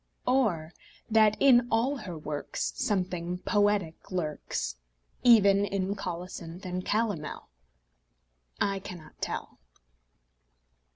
Or that in all her works Something poetic lurks, Even in colocynth and calomel? I cannot tell.